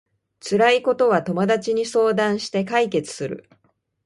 辛いことは友達に相談して解決する